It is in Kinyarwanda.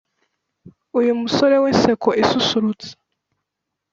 Uyu musore w'inseko isusurutsa